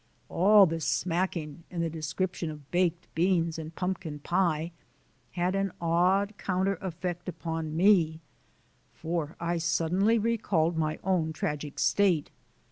All this smacking and the description of baked beans and pumpkin pie had an odd counter effect upon ME; for I suddenly recalled my own tragic state.